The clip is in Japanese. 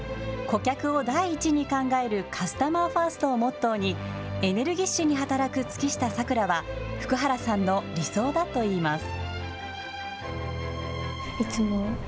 顧客を第一に考えるカスタマーファーストをモットーにエネルギッシュに働く月下咲良は福原さんの理想だといいます。